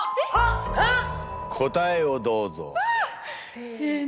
せの！